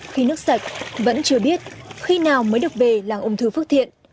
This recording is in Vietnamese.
khi nước sạch vẫn chưa biết khi nào mới được về làm ung thư phước thiện